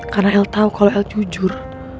karena el tahu kalau el jujur